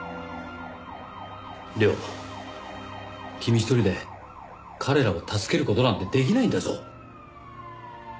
涼君一人で彼らを助ける事なんて出来ないんだぞ。